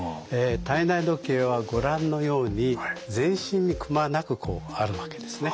体内時計はご覧のように全身にくまなくあるわけですね。